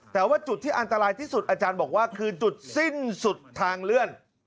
แต่ว่าจุดที่อันตรายที่สุดอาจารย์บอกว่าคือจุดสิ้นสุดทางเลื่อน